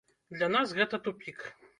Для нас гэта тупік.